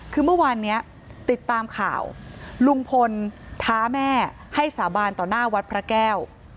คือเมื่อวานนี้ติดตามข่าวลุงพลท้าแม่ให้สาบานต่อหน้าวัดพระแก้ว